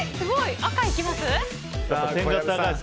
赤いきます？